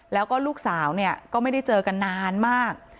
แล้วก็ลูกสาวเนี่ยก็ไม่ได้เจอกันนานมาก